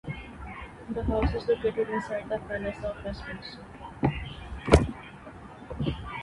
The house is located inside the Palace of Westminster.